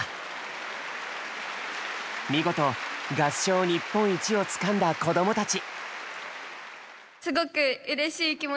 見事合唱日本一をつかんだ子供たち。